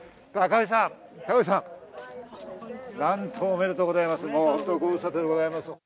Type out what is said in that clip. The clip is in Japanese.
高氏さん、おめでとうございます。